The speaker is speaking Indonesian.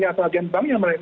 yang umum sudah bagus sehingga